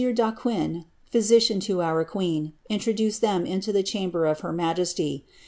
D'Aquin, physician to our queen, intio ,' duced them into the chamber of her majesty.